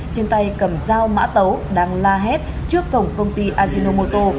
trên tay cầm dao mã tấu đang la hét trước cổng công ty asinomoto